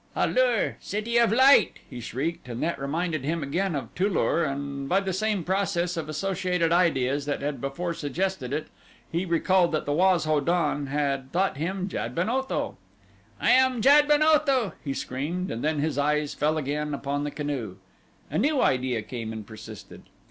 "A lur City of Light!" he shrieked and that reminded him again of Tu lur and by the same process of associated ideas that had before suggested it, he recalled that the Waz ho don had thought him Jad ben Otho. "I am Jad ben Otho!" he screamed and then his eyes fell again upon the canoe. A new idea came and persisted.